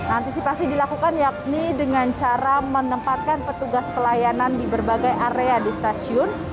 antisipasi dilakukan yakni dengan cara menempatkan petugas pelayanan di berbagai area di stasiun